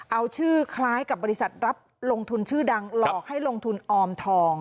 เอาชื่อคล้ายกับบริษัทรับลงทุนชื่อดังหลอกให้ลงทุนออมทอง